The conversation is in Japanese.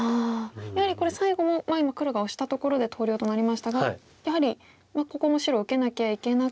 これ最後も今黒がオシたところで投了となりましたがやはりここも白受けなきゃいけなくって。